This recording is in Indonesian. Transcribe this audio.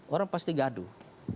orang pasti gaduh